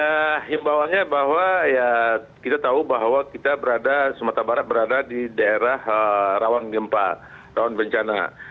nah himbawannya bahwa kita tahu bahwa kita berada sumatera barat berada di daerah rawang gempa rawang bencana